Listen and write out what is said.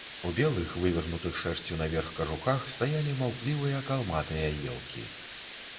У белых вывернутых шэрсцю наверх кажухах стаялі маўклівыя калматыя елкі.